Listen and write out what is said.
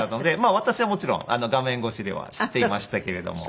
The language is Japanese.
私はもちろん画面越しでは知っていましたけれども。